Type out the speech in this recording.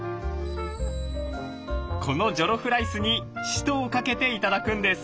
このジョロフライスにシトをかけて頂くんです。